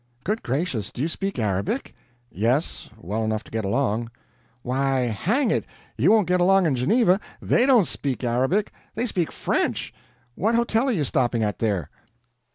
"Good gracious, do you speak Arabic?" "Yes well enough to get along." "Why, hang it, you won't get along in Geneva THEY don't speak Arabic, they speak French. What hotel are you stopping at here?"